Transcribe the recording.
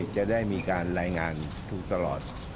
จะได้มีการรายงานถูกตลอด